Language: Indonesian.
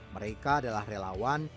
mereka adalah relawan